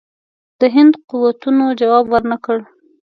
د هند قوتونو جواب ورنه کړ.